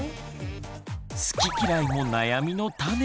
好き嫌いも悩みの種。